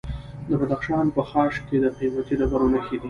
د بدخشان په خاش کې د قیمتي ډبرو نښې دي.